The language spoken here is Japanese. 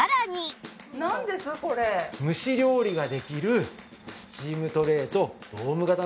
蒸し料理ができるスチームトレーとドーム型のふたなんです。